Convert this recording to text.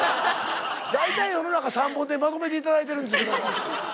大体世の中３本でまとめて頂いてるんですけども。